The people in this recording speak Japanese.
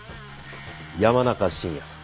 山中伸弥さん。